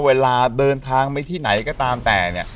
เวลาเดินทางไปที่ไหนก็ตามแต่เนี่ย